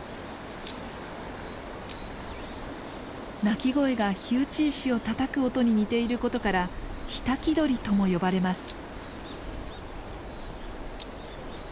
鳴き声が火打ち石をたたく音に似ていることから火焚鳥とも呼ばれます。